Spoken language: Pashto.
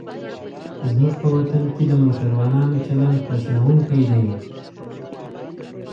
زموږ په وطن کې د موټروانانو چلند خواشینوونکی دی.